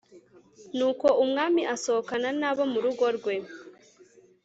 Nuko umwami asohokana n’abo mu rugo rwe